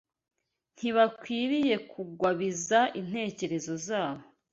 ntibakwiriye kugwabiza intekerezo zabo